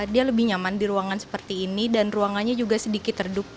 dia lebih nyaman di ruangan seperti ini dan ruangannya juga sedikit redup